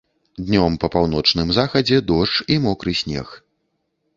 Днём па паўночным захадзе дождж і мокры снег.